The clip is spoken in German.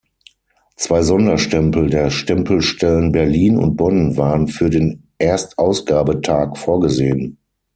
Zwei Sonderstempel der Stempelstellen Berlin und Bonn waren für den Erstausgabetag vorgesehen.